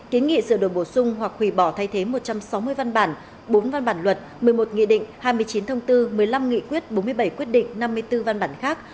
kiến nghị sửa đổi bổ sung hoặc hủy bỏ thay thế một trăm sáu mươi văn bản bốn văn bản luật một mươi một nghị định hai mươi chín thông tư một mươi năm nghị quyết bốn mươi bảy quyết định năm mươi bốn văn bản khác